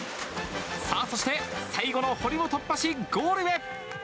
さあそして、最後の堀も突破しゴールへ。